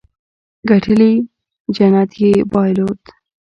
ګټلې جنت يې بايلودو.